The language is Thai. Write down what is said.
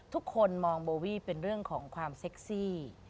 ทุกคนมองโบวี่เป็นเรื่องของความเซ็กซี่